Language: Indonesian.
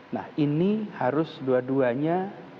nah ini harus dua duanya